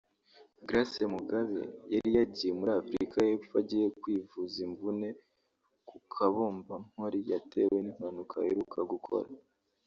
Grace Mugabe yari yagiye muri Afurika y’ Epfo agiye kwivuza imvune ku kabombampori yatewe n’ impanuka aheruka gukora